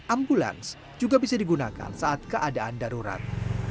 ambulans juga bisa digunakan saat keadaan darurat